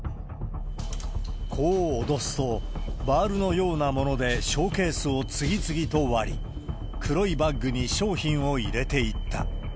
こう脅すと、バールのようなものでショーケースを次々と割り、黒いバッグに商品を入れていった。